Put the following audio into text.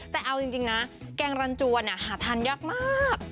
แต่เอาจริงนะแกงรันจวนหาทานยากมาก